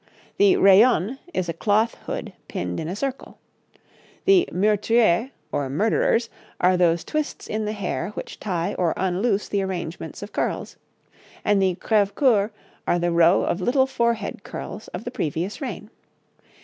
The 'rayonné' is a cloth hood pinned in a circle. The 'meurtriers,' or murderers, are those twists in the hair which tie or unloose the arrangements of curls; and the 'crève coeurs' are the row of little forehead curls of the previous reign.